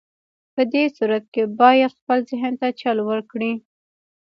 په دې صورت کې بايد خپل ذهن ته چل ورکړئ.